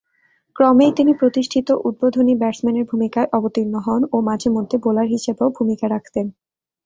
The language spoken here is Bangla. ক্রমেই তিনি প্রতিষ্ঠিত উদ্বোধনী ব্যাটসম্যানের ভূমিকায় অবতীর্ণ হন ও মাঝে-মধ্যে বোলার হিসেবেও ভূমিকা রাখতেন।